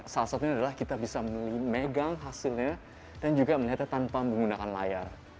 salah satunya adalah kita bisa memegang hasilnya dan juga melihatnya tanpa menggunakan layar